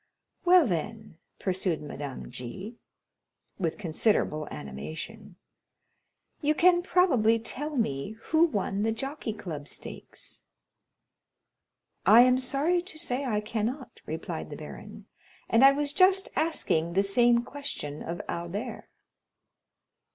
"Well, then," pursued Madame G—— with considerable animation, "you can probably tell me who won the Jockey Club stakes?" "I am sorry to say I cannot," replied the baron; "and I was just asking the same question of Albert."